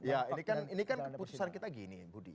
ini kan keputusan kita gini budi